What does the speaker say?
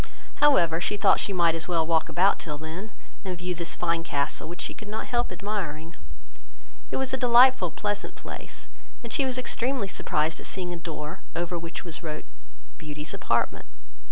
However, she thought she might as well walk about till then, and view this fine castle, which she could not help admiring; it was a delightful pleasant place, and she was extremely surprised at seeing a door, over which was wrote, "BEAUTY'S APARTMENT."